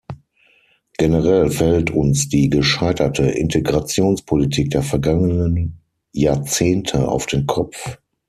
Generell fällt uns die gescheiterte Integrationspolitik der vergangenen Jahrzehnte auf den Kopf.